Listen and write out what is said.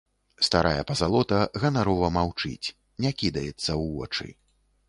Старая пазалота ганарова маўчыць, не кідаецца ў вочы.